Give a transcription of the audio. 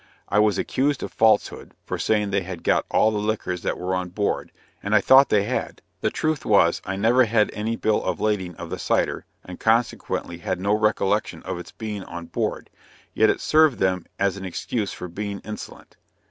I was accused of falsehood, for saying they had got all the liquors that were on board, and I thought they had; the truth was, I never had any bill of lading of the cider, and consequently had no recollection of its being on board; yet it served them as an excuse for being insolent.